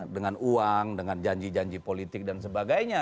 dengan uang dengan janji janji politik dan sebagainya